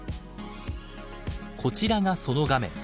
こちらがその画面。